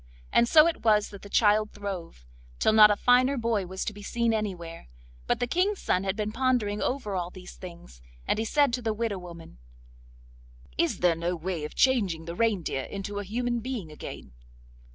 And so it was that the child throve, till not a finer boy was to be seen anywhere. But the King's son had been pondering over all these things, and he said to the widow woman: 'Is there no way of changing the reindeer into a human being again?